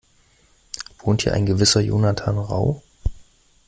Wohnt hier ein gewisser Jonathan Rau?